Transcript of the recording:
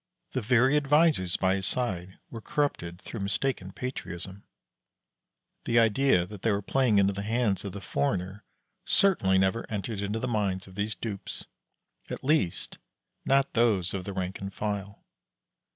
The very advisers by his side were corrupted through mistaken patriotism. The idea that they were playing into the hands of the foreigner certainly never entered into the minds of these dupes at least, not those of the rank and file.